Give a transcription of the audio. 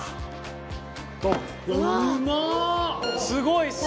すごい！